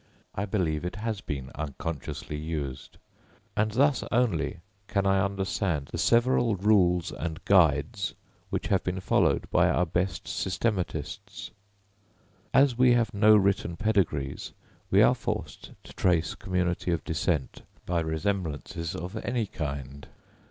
I believe it has been unconsciously used; and thus only can I understand the several rules and guides which have been followed by our best systematists. As we have no written pedigrees, we are forced to trace community of descent by resemblances of any kind.